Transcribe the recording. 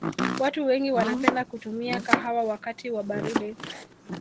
watu wengi wanapenda kutumia kahawa wakati wa baridi